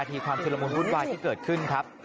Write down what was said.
ทีความชุดละมุนวุ่นวายที่เกิดขึ้นครับ